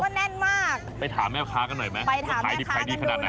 เขาบอกแม่น้ำมูลเป็นแม่น้ำมูลเป็นแม่น้ำที่ไหลค่อนข้างเชี่ยวเพราะฉะนั้นปลาเนื้อมันจะแน่นตัวจะใย